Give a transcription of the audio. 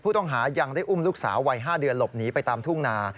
ผู้ต้องหายังได้อุ้มลูกสาววัย๕เดือนหลบหนีไปตามทุ่งนา